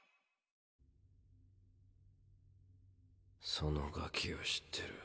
そのガキを知ってる。